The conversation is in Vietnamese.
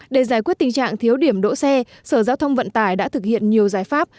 để giải quyết tình trạng thiếu điểm đỗ xe sở giao thông vận tải đã thực hiện nhiều giải pháp